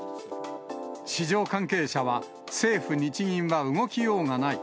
市場関係者は、政府・日銀は動きようがない。